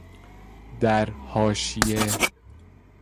در حاشیه